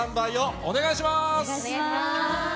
お願いします。